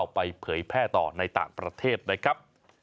ไปเผยแพร่ต่อในต่างประเทศนะครับ